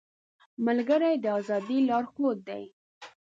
ملګری د ازادۍ لارښود دی